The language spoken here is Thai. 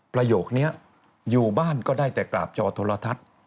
ประโยคนี้อยู่บ้านก็ได้แต่กราบจอโทรทัศน์